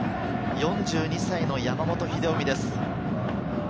４２歳の山本英臣です。